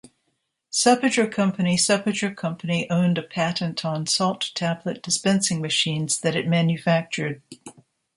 Suppiger Company Suppiger Company owned a patent on salt-tablet dispensing machines that it manufactured.